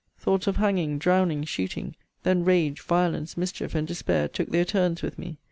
Thoughts of hanging, drowning, shooting then rage, violence, mischief, and despair, took their turns with me.